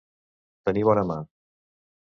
Tenir bona mà.